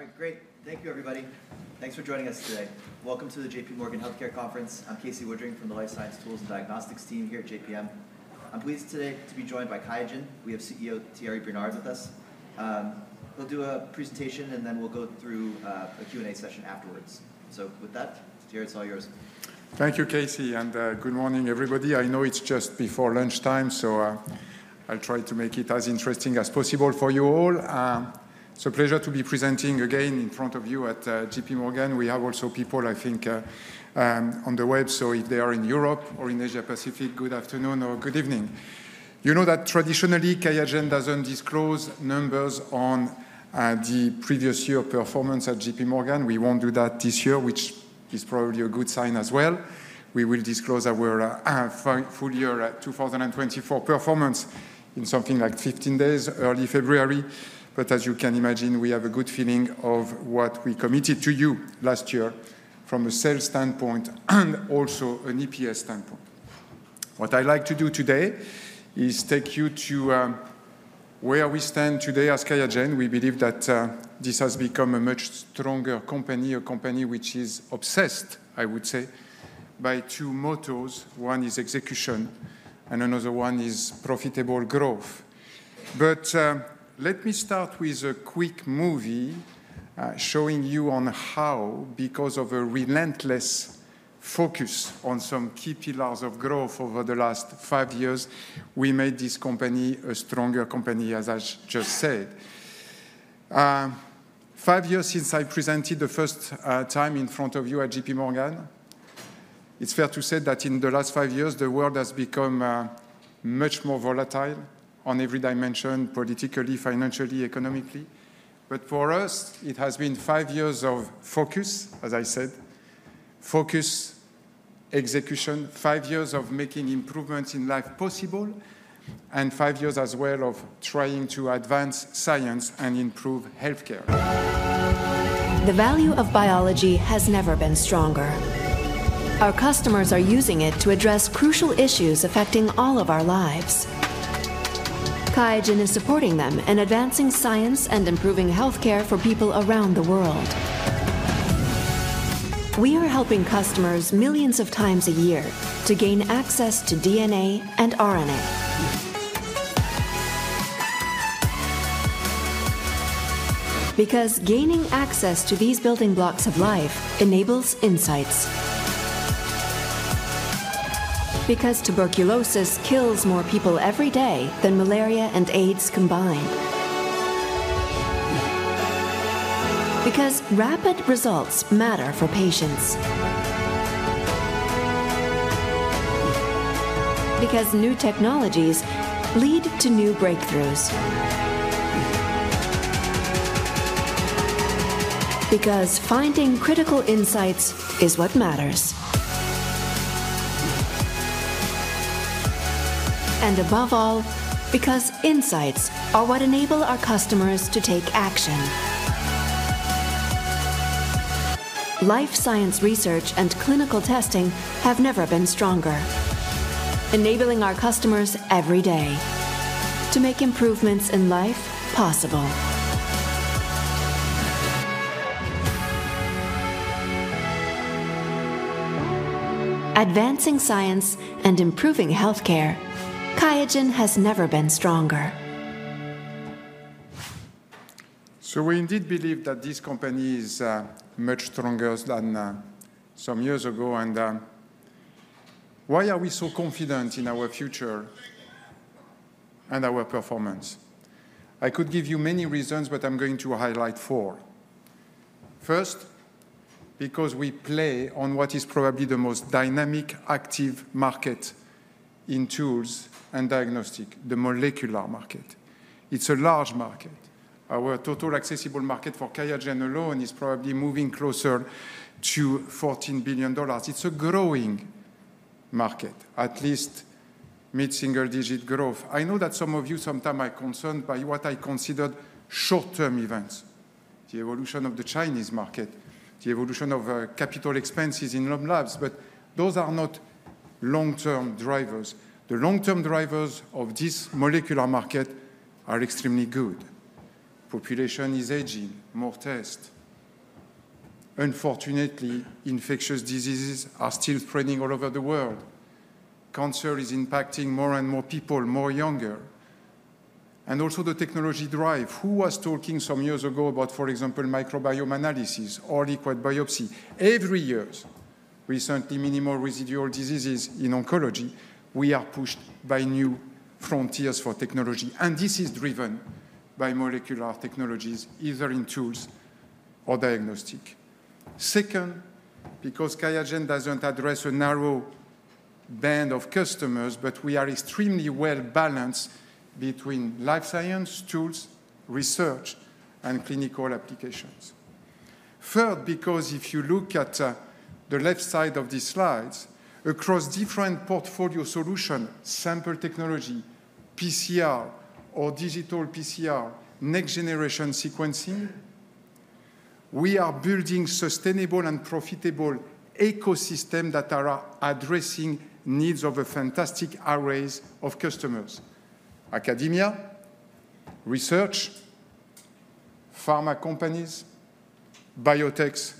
All right, great. Thank you, everybody. Thanks for joining us today. Welcome to the JPMorgan Healthcare Conference. I'm Casey Woodring from the Life Science Tools and Diagnostics team here at JPM. I'm pleased today to be joined by QIAGEN. We have CEO Thierry Bernard with us. He'll do a presentation, and then we'll go through a Q&A session afterwards. So with that, Thierry, it's all yours. Thank you, Casey, and good morning, everybody. I know it's just before lunchtime, so I'll try to make it as interesting as possible for you all. It's a pleasure to be presenting again in front of you at JPMorgan. We have also people, I think, on the web, so if they are in Europe or in Asia-Pacific, good afternoon or good evening. You know that traditionally QIAGEN doesn't disclose numbers on the previous year performance at JPMorgan. We won't do that this year, which is probably a good sign as well. We will disclose our full year 2024 performance in something like 15 days, early February. But as you can imagine, we have a good feeling of what we committed to you last year from a sales standpoint and also an EPS standpoint. What I'd like to do today is take you to where we stand today as QIAGEN. We believe that this has become a much stronger company, a company which is obsessed, I would say, by two mottos. One is execution, and another one is profitable growth. But let me start with a quick movie showing you on how, because of a relentless focus on some key pillars of growth over the last five years, we made this company a stronger company, as I just said. Five years since I presented the first time in front of you at JPMorgan, it's fair to say that in the last five years, the world has become much more volatile on every dimension: politically, financially, economically. But for us, it has been five years of focus, as I said, focus, execution, five years of making improvements in life possible, and five years as well of trying to advance science and improve health care. The value of biology has never been stronger. Our customers are using it to address crucial issues affecting all of our lives. QIAGEN is supporting them in advancing science and improving health care for people around the world. We are helping customers millions of times a year to gain access to DNA and RNA. Because gaining access to these building blocks of life enables insights. Because tuberculosis kills more people every day than malaria and AIDS combined. Because rapid results matter for patients. Because new technologies lead to new breakthroughs. Because finding critical insights is what matters. And above all, because insights are what enable our customers to take action. Life science research and clinical testing have never been stronger, enabling our customers every day to make improvements in life possible. Advancing science and improving health care, QIAGEN has never been stronger. So we indeed believe that this company is much stronger than some years ago. And why are we so confident in our future and our performance? I could give you many reasons, but I'm going to highlight four. First, because we play on what is probably the most dynamic, active market in tools and diagnostics, the molecular market. It's a large market. Our total accessible market for QIAGEN alone is probably moving closer to $14 billion. It's a growing market, at least mid-single-digit growth. I know that some of you sometimes are concerned by what I considered short-term events: the evolution of the Chinese market, the evolution of capital expenses in labs. But those are not long-term drivers. The long-term drivers of this molecular market are extremely good. Population is aging, more tests. Unfortunately, infectious diseases are still spreading all over the world. Cancer is impacting more and more people, more younger. Also the technology drive. Who was talking some years ago about, for example, microbiome analysis, liquid biopsy? Every year, recently, minimal residual diseases in oncology, we are pushed by new frontiers for technology. And this is driven by molecular technologies, either in tools or diagnostics. Second, because QIAGEN doesn't address a narrow band of customers, but we are extremely well balanced between life science, tools, research, and clinical applications. Third, because if you look at the left side of these slides, across different portfolio solutions, sample technology, PCR, or digital PCR, next-generation sequencing, we are building sustainable and profitable ecosystems that are addressing the needs of a fantastic array of customers: academia, research, pharma companies, biotechs,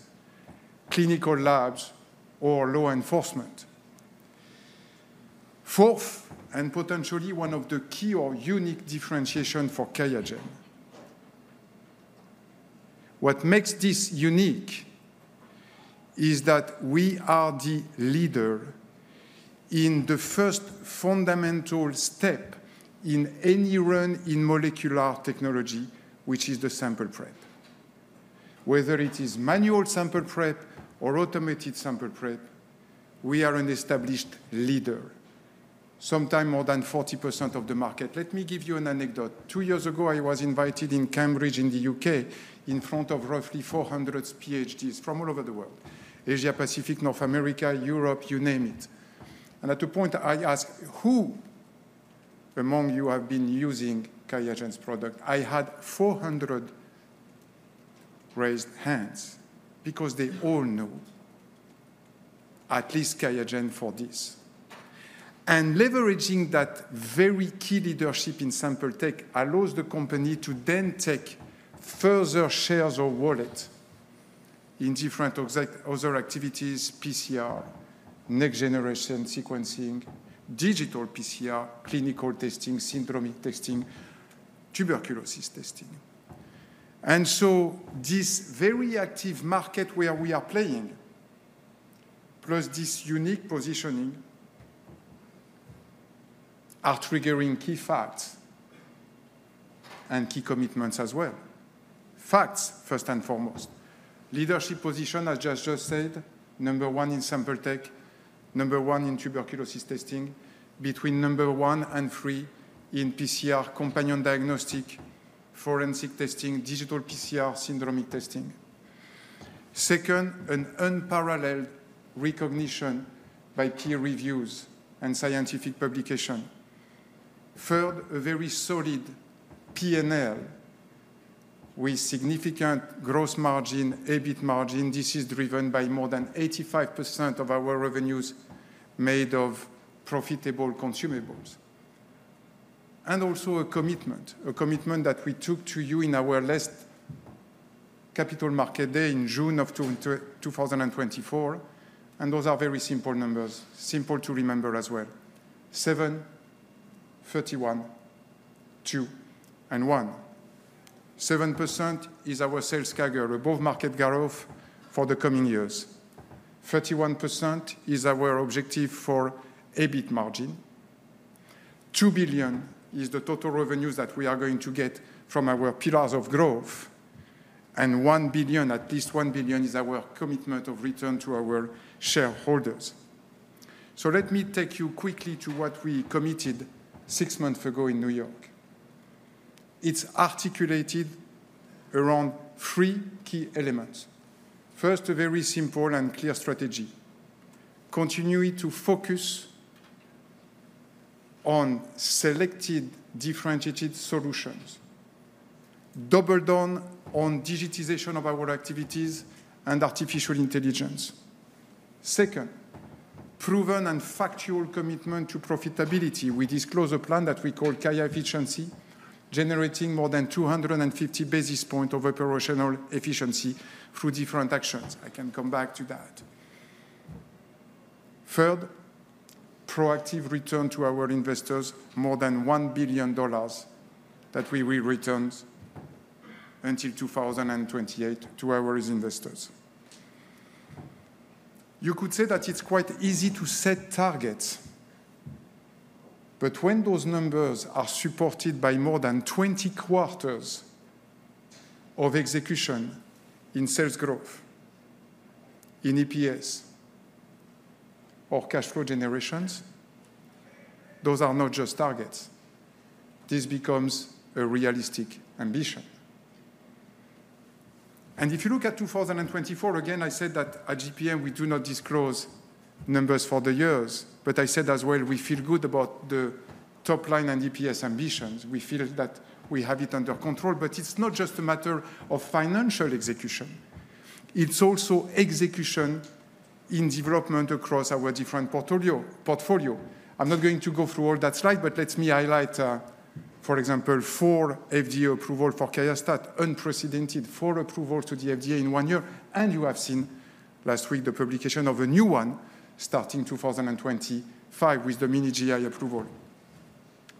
clinical labs, or law enforcement. Fourth, and potentially one of the key or unique differentiations for QIAGEN, what makes this unique is that we are the leader in the first fundamental step in any run in molecular technology, which is the sample prep. Whether it is manual sample prep or automated sample prep, we are an established leader, sometimes more than 40% of the market. Let me give you an anecdote. Two years ago, I was invited in Cambridge in the U.K. in front of roughly 400 PhDs from all over the world: Asia, Pacific, North America, Europe, you name it. And at a point, I asked, "Who among you have been using QIAGEN's product?" I had 400 raised hands because they all know at least QIAGEN for this. Leveraging that very key leadership in sample tech allows the company to then take further shares or wallets in different other activities: PCR, next-generation sequencing, digital PCR, clinical testing, syndromic testing, tuberculosis testing. This very active market where we are playing, plus this unique positioning, are triggering key facts and key commitments as well. Facts, first and foremost. Leadership position, as I just said, number one in sample tech, number one in tuberculosis testing, between number one and three in PCR, companion diagnostic, forensic testing, digital PCR, syndromic testing. Second, an unparalleled recognition by peer reviews and scientific publication. Third, a very solid P&L with significant gross margin, EBIT margin. This is driven by more than 85% of our revenues made of profitable consumables. Also a commitment, a commitment that we took to you in our last Capital Markets Day in June of 2024. Those are very simple numbers, simple to remember as well: 7, 31, 2, and 1. 7% is our sales CAGR, above market growth for the coming years. 31% is our objective for EBIT margin. 2 billion is the total revenues that we are going to get from our pillars of growth. And 1 billion, at least 1 billion, is our commitment of return to our shareholders. Let me take you quickly to what we committed six months ago in New York. It's articulated around three key elements. First, a very simple and clear strategy: continue to focus on selected, differentiated solutions. Double down on digitization of our activities and artificial intelligence. Second, proven and factual commitment to profitability. We disclose a plan that we call QIAGEN efficiency, generating more than 250 basis points of operational efficiency through different actions. I can come back to that. Third, proactive return to our investors, more than $1 billion that we will return until 2028 to our investors. You could say that it's quite easy to set targets, but when those numbers are supported by more than 20 quarters of execution in sales growth, in EPS, or cash flow generations, those are not just targets. This becomes a realistic ambition, and if you look at 2024, again, I said that at JPM, we do not disclose numbers for the years, but I said as well, we feel good about the top line and EPS ambitions. We feel that we have it under control, but it's not just a matter of financial execution. It's also execution in development across our different portfolio. I'm not going to go through all that slide, but let me highlight, for example, four FDA approvals for QIAstat-Dx, unprecedented, four approvals to the FDA in one year. And you have seen last week the publication of a new one starting 2025 with the QIAstat-Dx GI approval.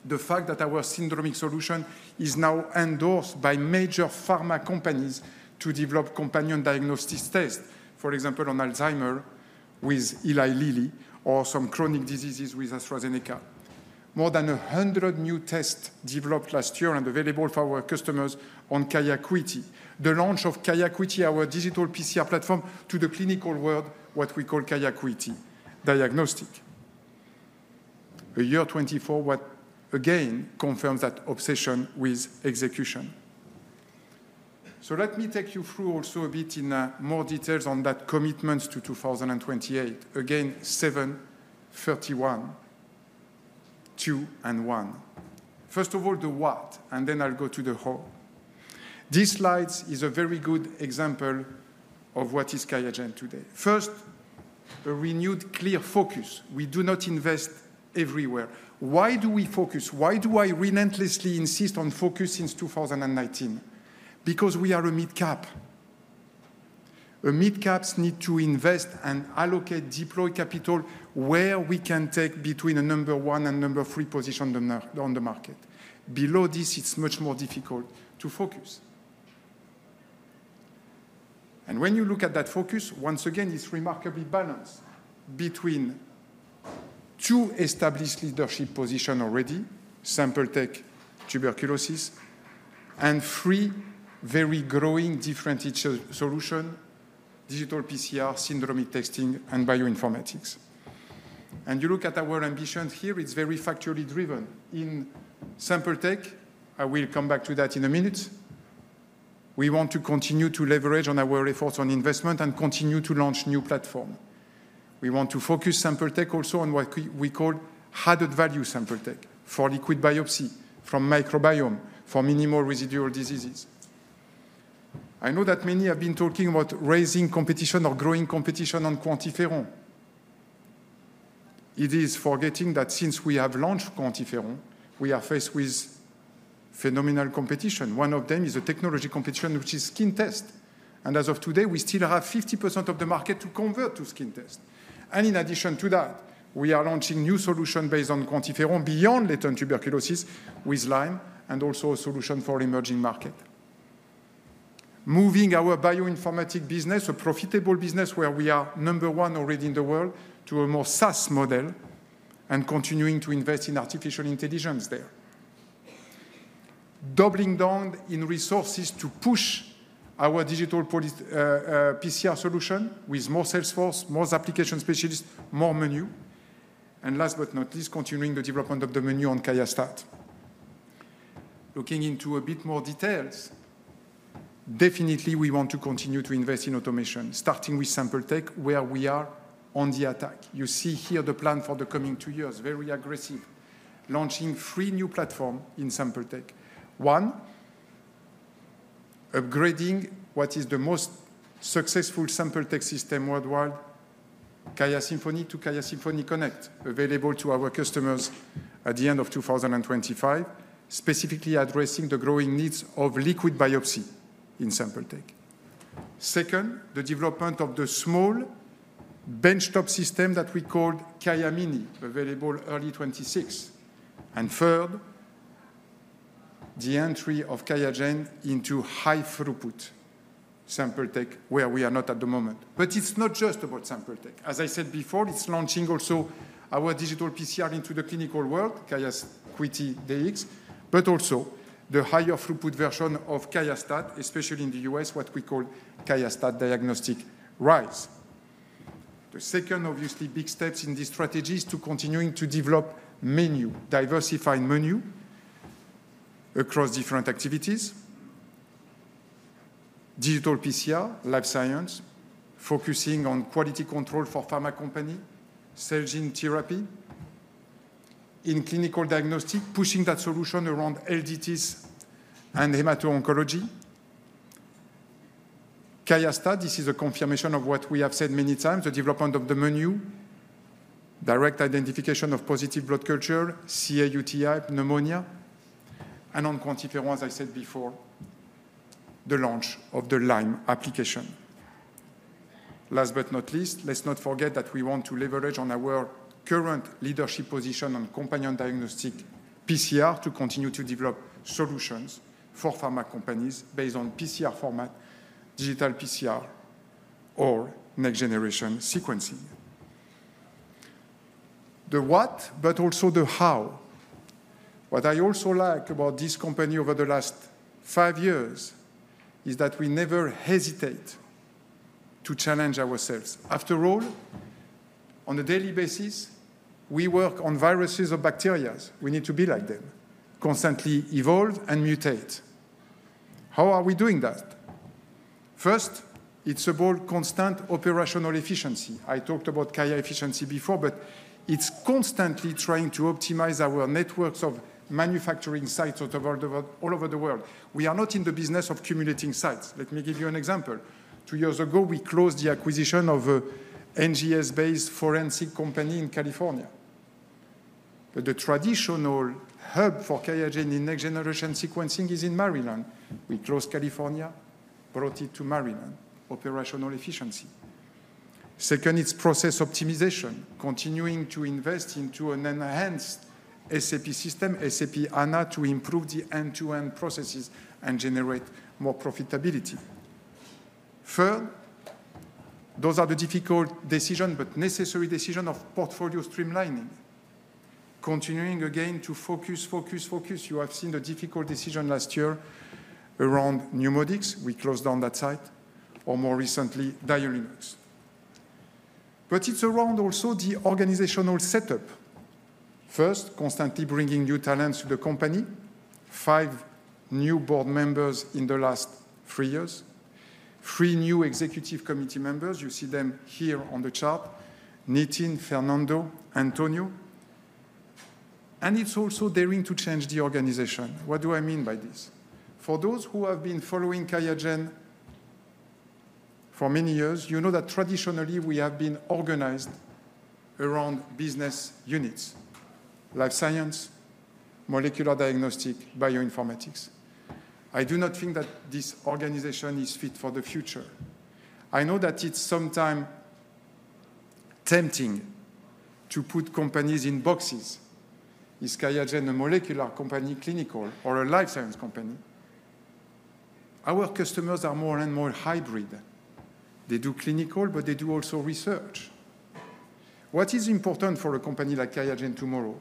The fact that our syndromic solution is now endorsed by major pharma companies to develop companion diagnostics tests, for example, on Alzheimer's with Eli Lilly or some chronic diseases with AstraZeneca. More than 100 new tests developed last year and available for our customers on QIAcuity. The launch of QIAcuity, our digital PCR platform to the clinical world, what we call QIAcuity Dx. A year 2024, what again confirms that obsession with execution. So let me take you through also a bit in more details on that commitment to 2028. Again, 7, 31, 2, and 1. First of all, the what, and then I'll go to the how. This slide is a very good example of what is QIAGEN today. First, a renewed clear focus. We do not invest everywhere. Why do we focus? Why do I relentlessly insist on focus since 2019? Because we are a mid-cap. Mid-caps need to invest and allocate, deploy capital where we can take between a number one and number three position on the market. Below this, it's much more difficult to focus. And when you look at that focus, once again, it's remarkably balanced between two established leadership positions already, sample tech, tuberculosis, and three very growing different solutions, digital PCR, syndromic testing, and bioinformatics. And you look at our ambitions here, it's very factually driven. In sample tech, I will come back to that in a minute. We want to continue to leverage on our efforts on investment and continue to launch new platforms. We want to focus sample tech also on what we call added value sample tech for liquid biopsy from microbiome for minimal residual disease. I know that many have been talking about rising competition or growing competition on QuantiFERON. It is forgetting that since we have launched QuantiFERON, we are faced with phenomenal competition. One of them is a technology competition, which is skin tests. And as of today, we still have 50% of the market to convert to skin tests. And in addition to that, we are launching new solutions based on QuantiFERON beyond latent tuberculosis with Lyme and also a solution for emerging markets. Moving our bioinformatics business, a profitable business where we are number one already in the world, to a more SaaS model and continuing to invest in artificial intelligence there. Doubling down in resources to push our digital PCR solution with more sales force, more application specialists, more menu. Last but not least, continuing the development of the menu on QIAstat-Dx. Looking into a bit more details, definitely we want to continue to invest in automation, starting with sample tech, where we are on the attack. You see here the plan for the coming two years, very aggressive, launching three new platforms in sample tech. One, upgrading what is the most successful sample tech system worldwide, QIAsymphony to QIAsymphony Connect, available to our customers at the end of 2025, specifically addressing the growing needs of liquid biopsy in sample tech. Second, the development of the small benchtop system that we called QIAmini, available early 2026. And third, the entry of QIAGEN into high-throughput sample tech, where we are not at the moment. But it's not just about sample tech. As I said before, it's launching also our digital PCR into the clinical world, QIAcuity Dx, but also the higher-throughput version of QIAstat-Dx, especially in the U.S., what we call QIAstat-Dx Rise. The second, obviously, big steps in this strategy is to continue to develop menu, diversified menu across different activities, digital PCR, life science, focusing on quality control for pharma companies, cell and gene therapy. In clinical diagnostic, pushing that solution around LDTs and hemato-oncology. QIAstat-Dx, this is a confirmation of what we have said many times, the development of the menu, direct identification of positive blood culture, CAUTI, pneumonia, and on QuantiFERON, as I said before, the launch of the Lyme application. Last but not least, let's not forget that we want to leverage on our current leadership position on companion diagnostic PCR to continue to develop solutions for pharma companies based on PCR format, digital PCR, or next-generation sequencing. The what, but also the how. What I also like about this company over the last five years is that we never hesitate to challenge ourselves. After all, on a daily basis, we work on viruses or bacteria. We need to be like them, constantly evolve and mutate. How are we doing that? First, it's about constant operational efficiency. I talked about QIAGEN efficiency before, but it's constantly trying to optimize our networks of manufacturing sites all over the world. We are not in the business of accumulating sites. Let me give you an example. Two years ago, we closed the acquisition of an NGS-based forensic company in California. But the traditional hub for QIAGEN in next-generation sequencing is in Maryland. We closed California, brought it to Maryland, operational efficiency. Second, it's process optimization, continuing to invest into an enhanced SAP system, SAP HANA, to improve the end-to-end processes and generate more profitability. Third, those are the difficult decisions, but necessary decisions of portfolio streamlining, continuing again to focus, focus, focus. You have seen the difficult decision last year around NeuMoDx. We closed down that site, or more recently, Diurinox. But it's around also the organizational setup. First, constantly bringing new talents to the company, five new board members in the last three years, three new executive committee members. You see them here on the chart, Nitin, Fernando, Antonio. It is also daring to change the organization. What do I mean by this? For those who have been following QIAGEN for many years, you know that traditionally we have been organized around business units, Life Sciences, Molecular Diagnostics, Bioinformatics. I do not think that this organization is fit for the future. I know that it is sometimes tempting to put companies in boxes. Is QIAGEN a molecular company, clinical, or a Life Sciences company? Our customers are more and more hybrid. They do clinical, but they do also research. What is important for a company like QIAGEN tomorrow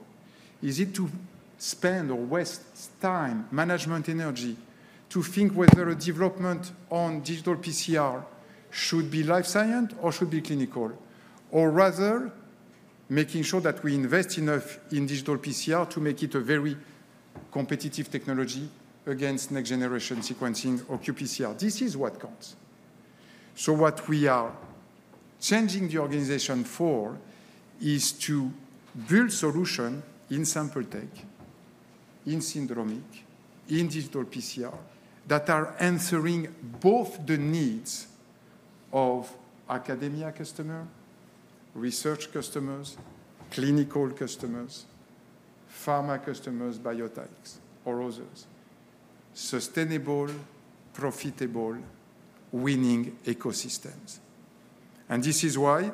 is it to spend or waste time, management energy, to think whether a development on digital PCR should be life science or should be clinical, or rather making sure that we invest enough in digital PCR to make it a very competitive technology against next-generation sequencing or qPCR. This is what counts, so what we are changing the organization for is to build solutions in sample tech, in syndromic, in digital PCR that are answering both the needs of academia customers, research customers, clinical customers, pharma customers, biotechs, or others. Sustainable, profitable, winning ecosystems, and this is why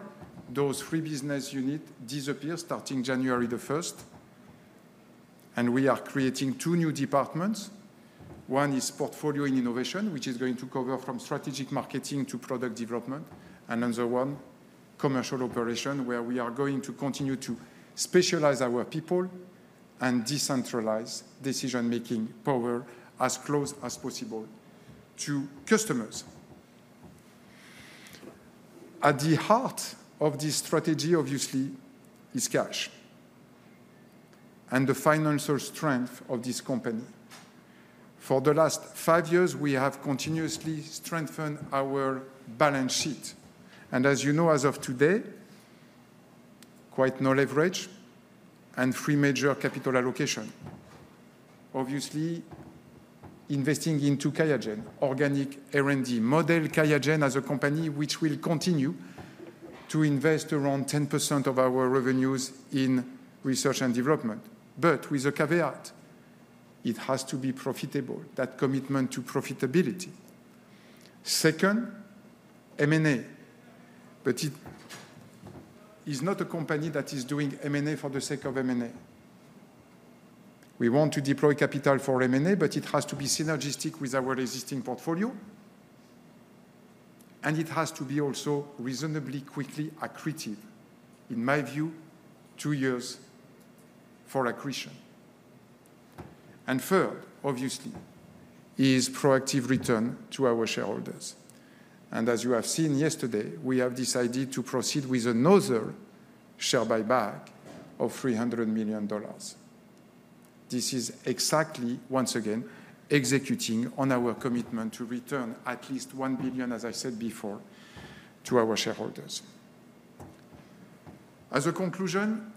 those three business units disappear starting January the 1st, and we are creating two new departments. One is Portfolio & Innovation, which is going to cover from strategic marketing to product development. Another one, Commercial Operation, where we are going to continue to specialize our people and decentralize decision-making power as close as possible to customers. At the heart of this strategy, obviously, is cash and the financial strength of this company. For the last five years, we have continuously strengthened our balance sheet, and as you know, as of today, quite no leverage and three major capital allocations. Obviously, investing into QIAGEN, organic R&D model QIAGEN as a company, which will continue to invest around 10% of our revenues in research and development. But with a caveat, it has to be profitable, that commitment to profitability. Second, M&A, but it is not a company that is doing M&A for the sake of M&A. We want to deploy capital for M&A, but it has to be synergistic with our existing portfolio, and it has to be also reasonably quickly accretive. In my view, two years for accretion. And third, obviously, is proactive return to our shareholders. And as you have seen yesterday, we have decided to proceed with another share buyback of $300 million. This is exactly, once again, executing on our commitment to return at least $1 billion, as I said before, to our shareholders. As a conclusion,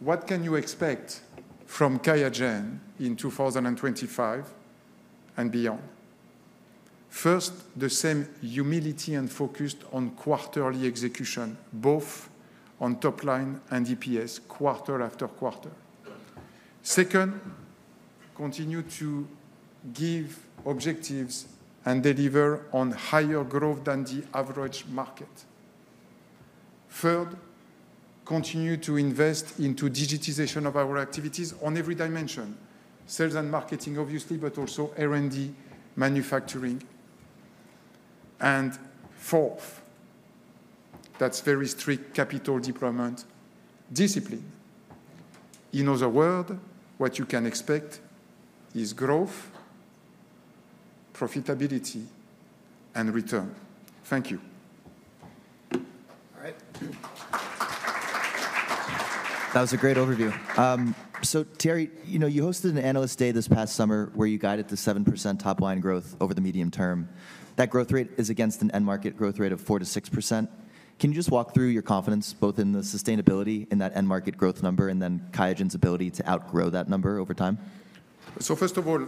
what can you expect from QIAGEN in 2025 and beyond? First, the same humility and focus on quarterly execution, both on top line and EPS, quarter after quarter. Second, continue to give objectives and deliver on higher growth than the average market. Third, continue to invest into digitization of our activities on every dimension, sales and marketing, obviously, but also R&D, manufacturing. And fourth, that's very strict capital deployment discipline. In other words, what you can expect is growth, profitability, and return. Thank you. All right. That was a great overview. Thierry, you hosted an analyst day this past summer where you guided the 7% top line growth over the medium term. That growth rate is against an end market growth rate of 4%-6%. Can you just walk through your confidence both in the sustainability in that end market growth number and then QIAGEN's ability to outgrow that number over time? First of all,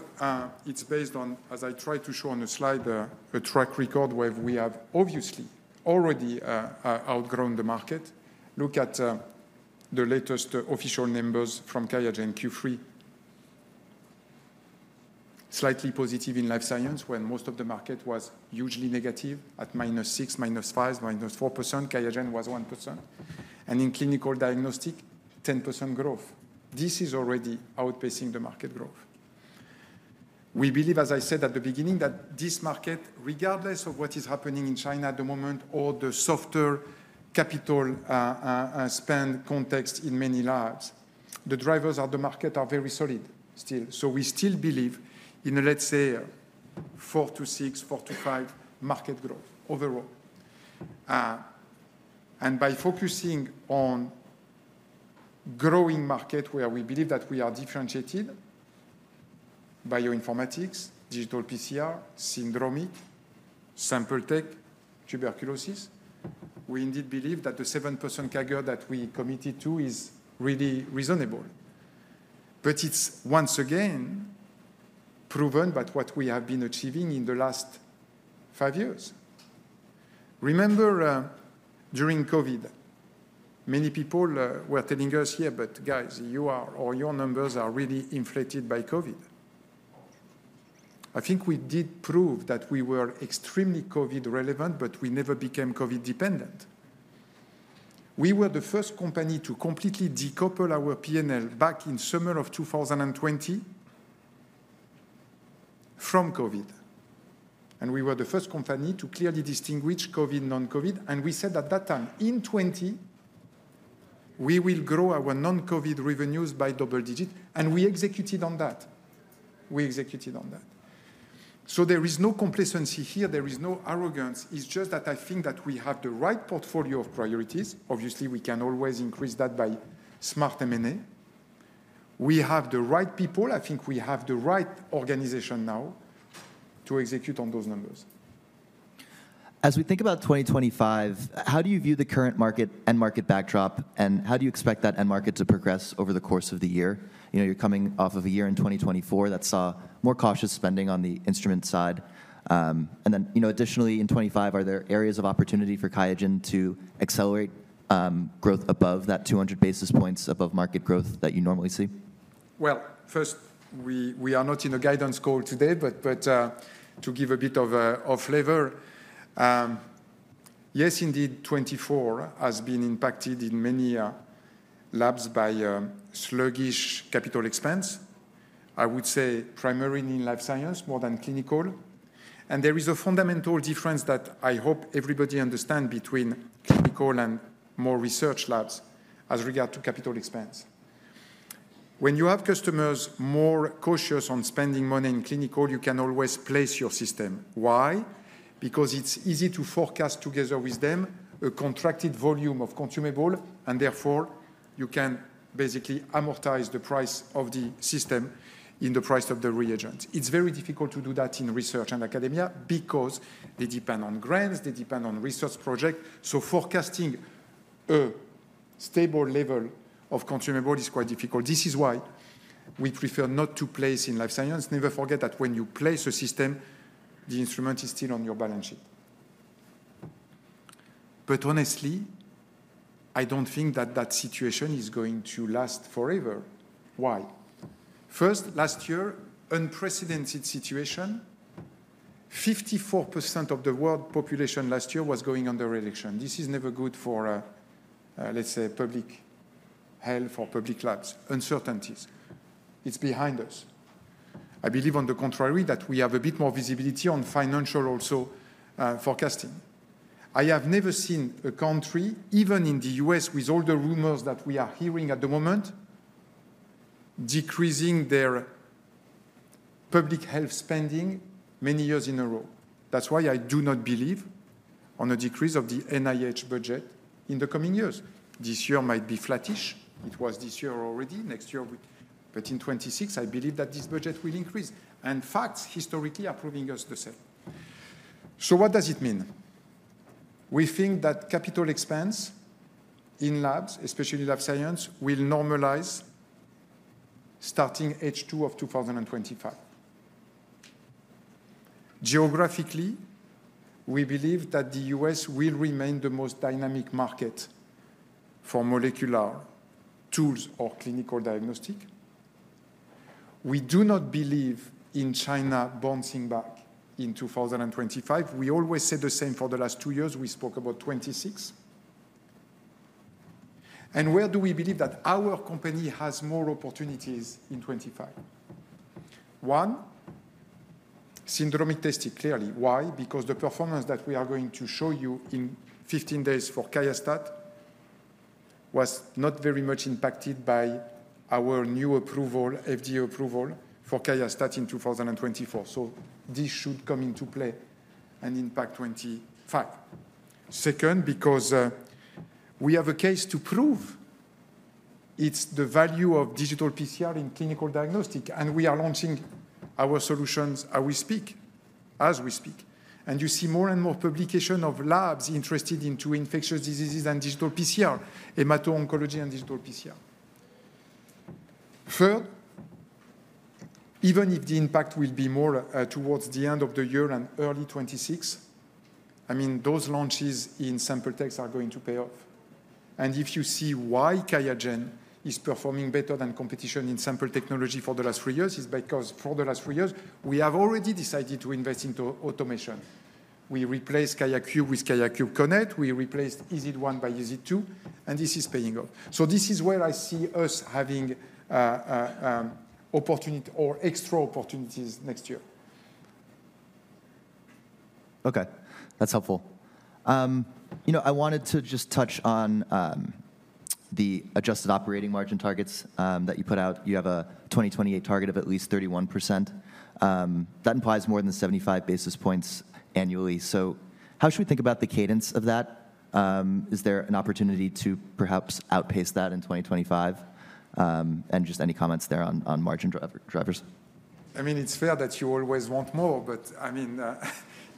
it's based on, as I tried to show on the slide, a track record where we have obviously already outgrown the market. Look at the latest official numbers from QIAGEN Q3. Slightly positive in life science when most of the market was hugely negative at -6%, -5%, -4%. QIAGEN was 1%. And in clinical diagnostic, 10% growth. This is already outpacing the market growth. We believe, as I said at the beginning, that this market, regardless of what is happening in China at the moment or the softer capital spend context in many labs, the drivers of the market are very solid still. So we still believe in a, let's say, 4%-6%, 4%-5% market growth overall and by focusing on growing market where we believe that we are differentiated, bioinformatics, digital PCR, syndromic, sample tech, tuberculosis, we indeed believe that the 7% CAGR that we committed to is really reasonable. But it's once again proven by what we have been achieving in the last five years. Remember during COVID, many people were telling us, "Yeah, but guys, you are or your numbers are really inflated by COVID." I think we did prove that we were extremely COVID-relevant, but we never became COVID-dependent. We were the first company to completely decouple our P&L back in summer of 2020 from COVID. And we were the first company to clearly distinguish COVID, non-COVID. And we said at that time, "In 2020, we will grow our non-COVID revenues by double-digit." And we executed on that. We executed on that. So there is no complacency here. There is no arrogance. It's just that I think that we have the right portfolio of priorities. Obviously, we can always increase that by smart M&A. We have the right people. I think we have the right organization now to execute on those numbers. As we think about 2025, how do you view the current market and market backdrop, and how do you expect that end market to progress over the course of the year? You're coming off of a year in 2024 that saw more cautious spending on the instrument side. And then additionally, in 2025, are there areas of opportunity for QIAGEN to accelerate growth above that 200 basis points above market growth that you normally see? Well, first, we are not in a guidance call today, but to give a bit of flavor, yes, indeed, 2024 has been impacted in many labs by sluggish capital expense, I would say primarily in life science, more than clinical. And there is a fundamental difference that I hope everybody understands between clinical and more research labs as regard to capital expense. When you have customers more cautious on spending money in clinical, you can always place your system. Why? Because it's easy to forecast together with them a contracted volume of consumable, and therefore you can basically amortize the price of the system in the price of the reagents. It's very difficult to do that in research and academia because they depend on grants, they depend on research projects. So forecasting a stable level of consumable is quite difficult. This is why we prefer not to place in life science. Never forget that when you place a system, the instrument is still on your balance sheet. But honestly, I don't think that that situation is going to last forever. Why? First, last year, unprecedented situation. 54% of the world population last year was going under election. This is never good for, let's say, public health or public labs. Uncertainties. It's behind us. I believe, on the contrary, that we have a bit more visibility on financial also forecasting. I have never seen a country, even in the U.S., with all the rumors that we are hearing at the moment, decreasing their public health spending many years in a row. That's why I do not believe in a decrease of the NIH budget in the coming years. This year might be flattish. It was this year already. Next year, but in 2026, I believe that this budget will increase, and facts historically are proving us the same, so what does it mean? We think that Capital Expense in labs, especially in life science, will normalize starting H2 of 2025. Geographically, we believe that the U.S. will remain the most dynamic market for molecular tools or clinical diagnostic. We do not believe in China bouncing back in 2025. We always said the same for the last two years. We spoke about 2026. And where do we believe that our company has more opportunities in 2025? One, syndromic testing, clearly. Why? Because the performance that we are going to show you in 15 days for QIAstat was not very much impacted by our new approval, FDA approval for QIAstat in 2024. So this should come into play and impact 2025. Second, because we have a case to prove. It's the value of digital PCR in clinical diagnostic. And we are launching our solutions as we speak. And you see more and more publications of labs interested in infectious diseases and digital PCR, hematology and digital PCR. Third, even if the impact will be more towards the end of the year and early 2026, I mean, those launches in sample techs are going to pay off. If you see why QIAGEN is performing better than competition in sample technology for the last three years, it's because for the last three years, we have already decided to invest into automation. We replaced QIAcube with QIAcube Connect. We replaced EZ1 by EZ2. This is paying off. This is where I see us having extra opportunities next year. Okay. That's helpful. I wanted to just touch on the adjusted operating margin targets that you put out. You have a 2028 target of at least 31%. That implies more than 75 basis points annually. How should we think about the cadence of that? Is there an opportunity to perhaps outpace that in 2025? Just any comments there on margin drivers? I mean, it's fair that you always want more. I mean,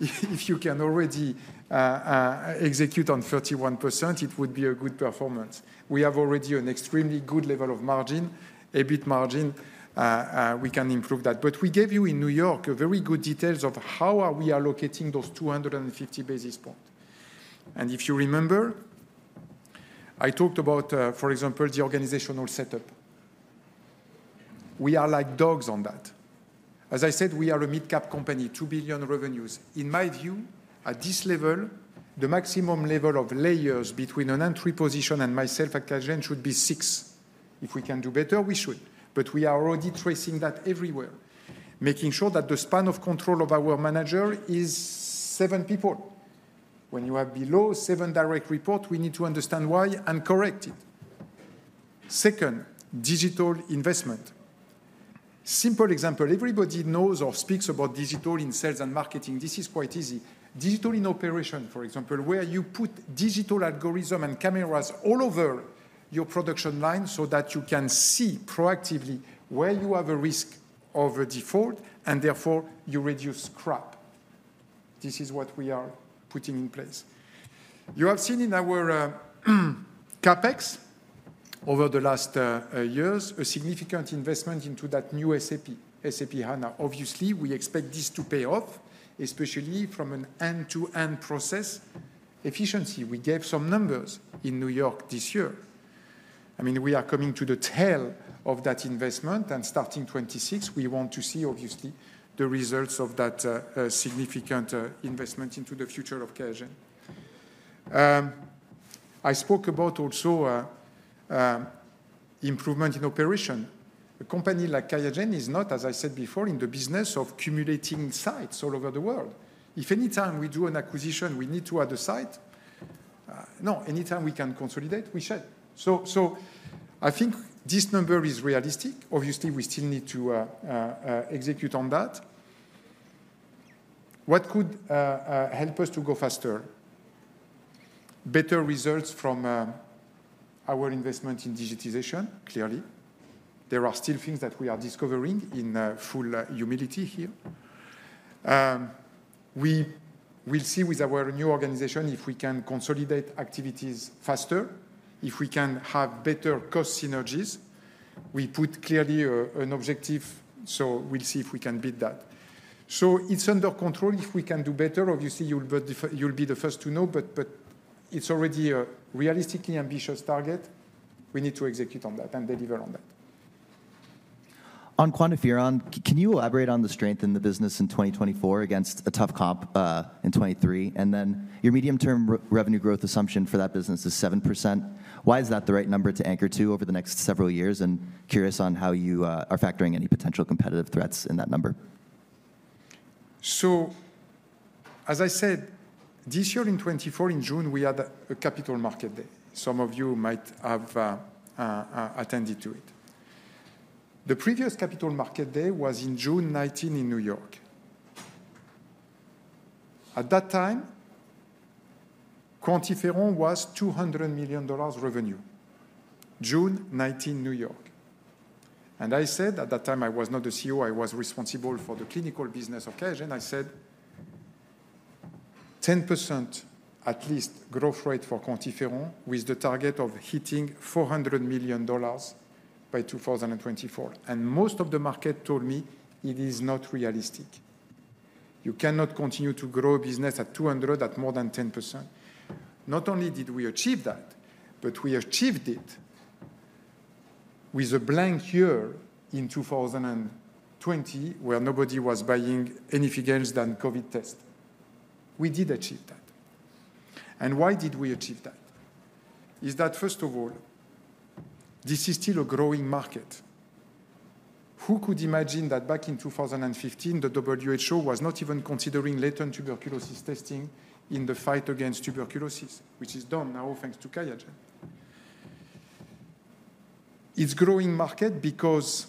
if you can already execute on 31%, it would be a good performance. We have already an extremely good level of margin, EBIT margin. We can improve that, but we gave you in New York very good details of how we are allocating those 250 basis points. And if you remember, I talked about, for example, the organizational setup. We are like dogs on that. As I said, we are a mid-cap company, 2 billion revenues. In my view, at this level, the maximum level of layers between an entry position and myself at QIAGEN should be six. If we can do better, we should, but we are already tracing that everywhere, making sure that the span of control of our manager is seven people. When you have below seven direct reports, we need to understand why and correct it. Second, digital investment. Simple example. Everybody knows or speaks about digital in sales and marketing. This is quite easy. Digital in operation, for example, where you put digital algorithms and cameras all over your production line so that you can see proactively where you have a risk of a default and therefore you reduce crap. This is what we are putting in place. You have seen in our CapEx over the last years a significant investment into that new SAP, SAP HANA. Obviously, we expect this to pay off, especially from an end-to-end process efficiency. We gave some numbers in New York this year. I mean, we are coming to the tail of that investment, and starting 2026, we want to see, obviously, the results of that significant investment into the future of QIAGEN. I spoke about also improvement in operation. A company like QIAGEN is not, as I said before, in the business of accumulating sites all over the world. If anytime we do an acquisition, we need to add a site. No, anytime we can consolidate, we share. So I think this number is realistic. Obviously, we still need to execute on that. What could help us to go faster? Better results from our investment in digitization, clearly. There are still things that we are discovering in full humility here. We will see with our new organization if we can consolidate activities faster, if we can have better cost synergies. We put clearly an objective, so we'll see if we can beat that. So it's under control if we can do better. Obviously, you'll be the first to know, but it's already a realistically ambitious target. We need to execute on that and deliver on that. On QuantiFERON, can you elaborate on the strength in the business in 2024 against a tough comp in 2023? And then your medium-term revenue growth assumption for that business is 7%. Why is that the right number to anchor to over the next several years? And curious on how you are factoring any potential competitive threats in that number. So, as I said, this year in 2024, in June, we had a capital market day. Some of you might have attended to it. The previous capital market day was in June 2019 in New York. At that time, QuantiFERON was $200 million revenue. June 2019, New York. And I said at that time, I was not the CEO. I was responsible for the clinical business of QIAGEN. I said 10% at least growth rate for QuantiFERON with the target of hitting $400 million by 2024. And most of the market told me it is not realistic. You cannot continue to grow a business at 200 at more than 10%. Not only did we achieve that, but we achieved it with a blank year in 2020 where nobody was buying anything else than COVID tests. We did achieve that. And why did we achieve that? Is that, first of all, this is still a growing market. Who could imagine that back in 2015, the WHO was not even considering latent tuberculosis testing in the fight against tuberculosis, which is done now thanks to QIAGEN? It's a growing market because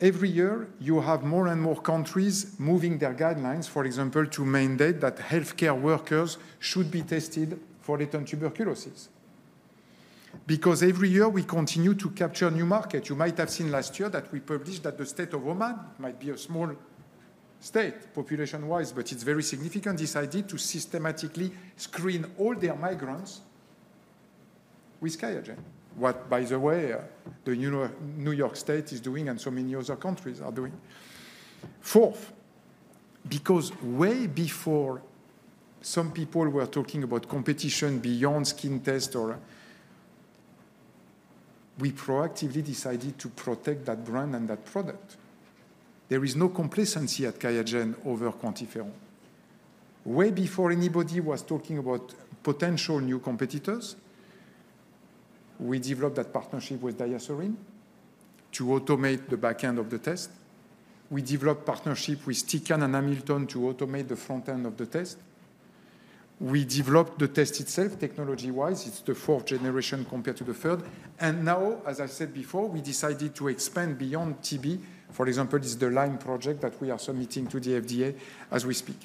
every year you have more and more countries moving their guidelines, for example, to mandate that healthcare workers should be tested for latent tuberculosis. Because every year we continue to capture new markets. You might have seen last year that we published that the state of Oman, it might be a small state population-wise, but it's very significant, decided to systematically screen all their migrants with QIAGEN, what, by the way, the New York state is doing and so many other countries are doing. Fourth, because way before some people were talking about competition beyond skin tests, we proactively decided to protect that brand and that product. There is no complacency at QIAGEN over QuantiFERON. Way before anybody was talking about potential new competitors, we developed that partnership with DiaSorin to automate the backend of the test. We developed partnership with Tecan and Hamilton to automate the frontend of the test. We developed the test itself technology-wise. It's the fourth generation compared to the third. Now, as I said before, we decided to expand beyond TB. For example, it's the Lyme project that we are submitting to the FDA as we speak.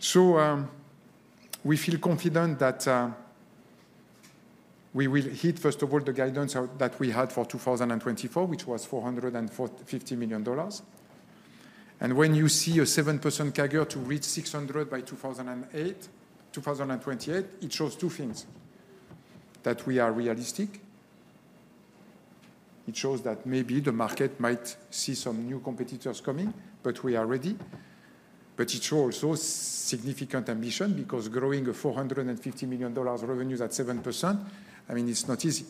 So we feel confident that we will hit, first of all, the guidance that we had for 2024, which was $450 million. And when you see a 7% CAGR to reach $600 million by 2028, it shows two things: that we are realistic. It shows that maybe the market might see some new competitors coming, but we are ready. But it shows also significant ambition because growing a $450 million revenue at 7%, I mean, it's not easy.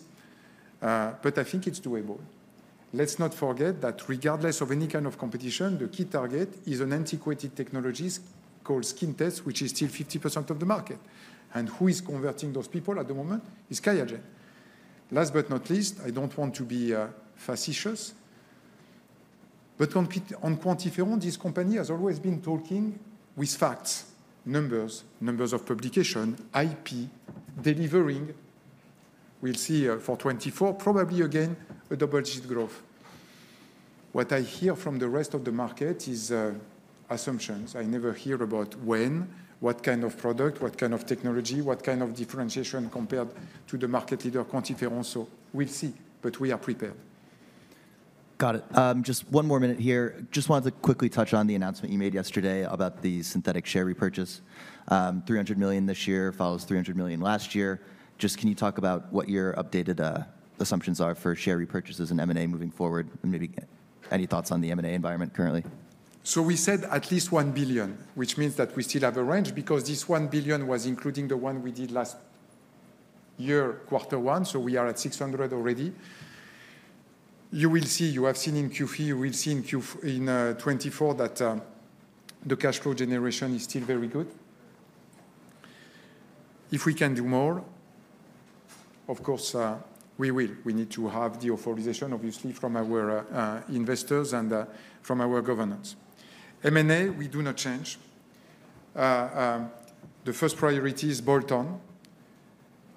But I think it's doable. Let's not forget that regardless of any kind of competition, the key target is an antiquated technology called skin tests, which is still 50% of the market. And who is converting those people at the moment is QIAGEN. Last but not least, I don't want to be facetious, but on QuantiFERON, this company has always been talking with facts, numbers, numbers of publication, IP, delivering. We'll see for 2024, probably again a double-digit growth. What I hear from the rest of the market is assumptions. I never hear about when, what kind of product, what kind of technology, what kind of differentiation compared to the market leader QuantiFERON. So we'll see, but we are prepared. Got it. Just one more minute here. Just wanted to quickly touch on the announcement you made yesterday about the systematic share repurchase. $300 million this year follows $300 million last year. Just can you talk about what your updated assumptions are for share repurchases and M&A moving forward? And maybe any thoughts on the M&A environment currently? So we said at least $1 billion, which means that we still have a range because this $1 billion was including the one we did last year, quarter one. So we are at $600 million already. You will see, you have seen in Q3, you will see in Q4 that the cash flow generation is still very good. If we can do more, of course, we will. We need to have the authorization, obviously, from our investors and from our governance. M&A, we do not change. The first priority is bolt-on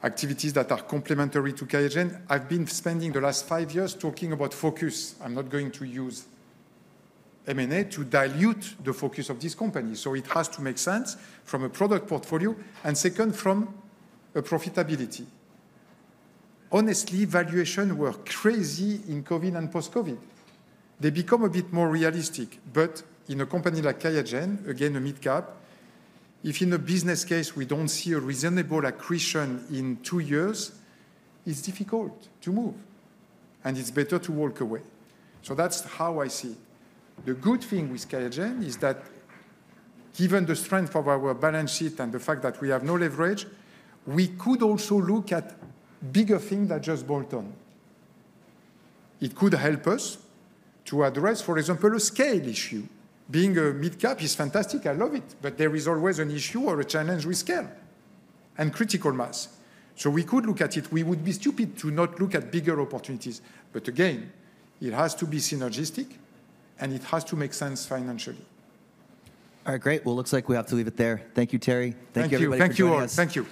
activities that are complementary to QIAGEN. I've been spending the last five years talking about focus. I'm not going to use M&A to dilute the focus of this company. So it has to make sense from a product portfolio and second, from a profitability. Honestly, valuations were crazy in COVID and post-COVID. They become a bit more realistic. But in a company like QIAGEN, again, a mid-cap, if in a business case we don't see a reasonable accretion in two years, it's difficult to move. And it's better to walk away. So that's how I see it. The good thing with QIAGEN is that given the strength of our balance sheet and the fact that we have no leverage, we could also look at bigger things than just bolt-on. It could help us to address, for example, a scale issue. Being a mid-cap is fantastic. I love it. But there is always an issue or a challenge with scale and critical mass. So we could look at it. We would be stupid to not look at bigger opportunities. But again, it has to be synergistic and it has to make sense financially. All right. Great. Well, it looks like we have to leave it there. Thank you, Thierry. Thank you, everybody. Thank you. Thank you.